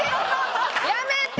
やめて！